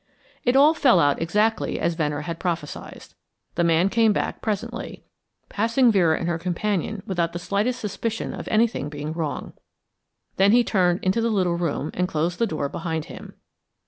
It all fell out exactly as Venner had prophesied. The man came back presently, passing Vera and her companion without the slightest suspicion of anything being wrong. Then he turned into the little room and closed the door behind him.